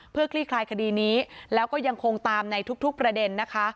เพื่อคลี่คลายคดีนี้แล้วก็ยังคงตามในทุกประเด็นนะคะ